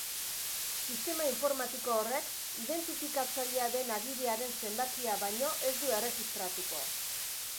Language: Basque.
Sistema informatiko horrek identifikatzailea den agiriaren zenbakia baino ez du erregistratuko.